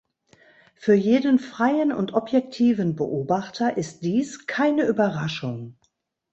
Für jeden freien und objektiven Beobachter ist dies keine Überraschung.